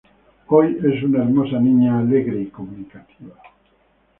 Hoy es una hermosa niña, alegre y comunicativa.